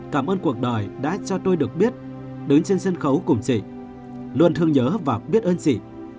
cảm ơn cuộc đời đã cho tôi được biết đứng trên sân khấu cùng gì luôn thương nhớ và biết ơn gì